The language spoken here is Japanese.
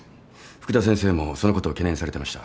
福田先生もそのことを懸念されてました。